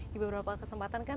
di beberapa kesempatan kan